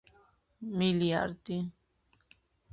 მილიარდი